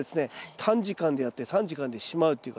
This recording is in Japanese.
短時間でやって短時間でしまうっていうか。